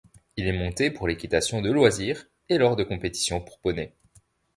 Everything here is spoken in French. Il est monté pour l'équitation de loisir et lors de compétitions pour poneys.